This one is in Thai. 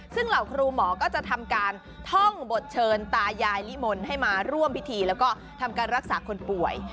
ซึ่งเหล่าครูหมอก็จะทำการท่องบทเชิญตายายลิมนต์ให้มาร่วมพิธีแล้วก็ทำการรักษาคนป่วย